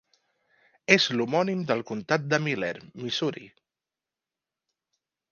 És l'homònim del comtat de Miller, Missouri.